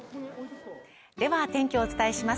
では天気をお伝えします